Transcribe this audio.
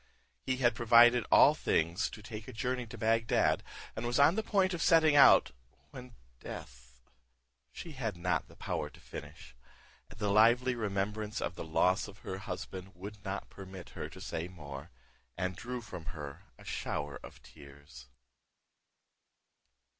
He had provided all things to take a journey to Bagdad, and was on the point of setting out, when death" She had not power to finish; the lively remembrance of the loss of her husband would not permit her to say more, and drew from her a shower of tears.